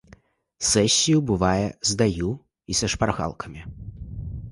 Сесію бывае здаю і са шпаргалкамі.